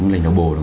lệnh đầu bộ